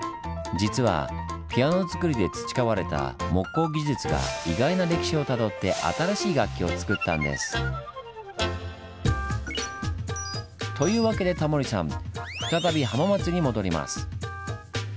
実はピアノづくりで培われた木工技術が意外な歴史をたどって新しい楽器をつくったんです。というわけでタモリさん再び浜松に戻ります。